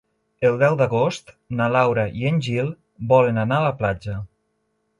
El deu d'agost na Laura i en Gil volen anar a la platja.